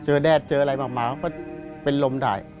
เจอแดดเจออะไรบางต้องเป็นรมได้